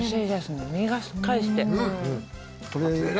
身がしっかりして。